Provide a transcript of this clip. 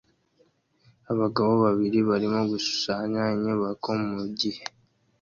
Abagabo babiri barimo gushushanya inyubako mugihe